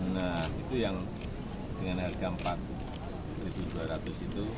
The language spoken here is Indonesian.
nah itu yang dengan harga rp empat dua ratus itu